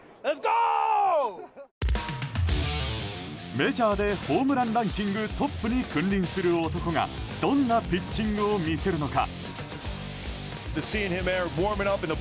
メジャーでホームランランキングトップに君臨する男がどんなピッチングを見せるのか。